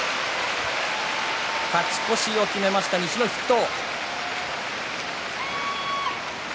勝ち越しを決めました、西の筆頭。